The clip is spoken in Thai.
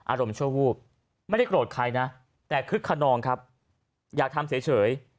อารมณ์ชั่ววูบไม่ได้โกรธใครนะแต่คึกขนองครับอยากทำเฉย